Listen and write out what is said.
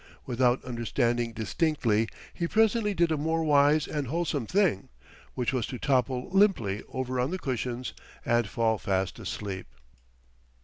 Without understanding distinctly, he presently did a more wise and wholesome thing: which was to topple limply over on the cushions and fall fast asleep.